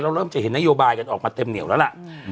เริ่มจะเห็นนโยบายกันออกมาเต็มเหนียวแล้วล่ะ